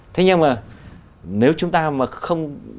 thế nhưng mà nếu chúng ta mà không